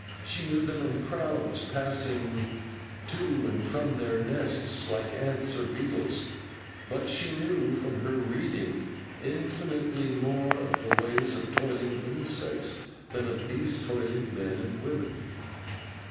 She knew them in crowds passing to and from their nests, like ants or beetles. But she knew from her reading infinitely more of the ways of toiling insects than of these toiling men and women.